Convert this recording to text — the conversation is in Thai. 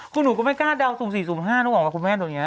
คุณหนูก็ไม่กล้าเดา๐๔๐๕นึกออกแหละคุณแม่ตอนนี้